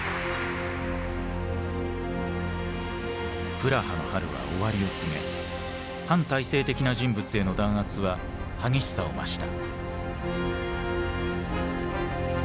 プラハの春は終わりを告げ反体制的な人物への弾圧は激しさを増した。